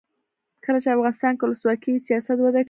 کله چې افغانستان کې ولسواکي وي سیاحت وده کوي.